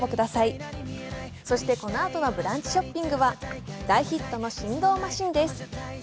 そして、このあとの「ブランチショッピング」は大ヒットの振動マシンです。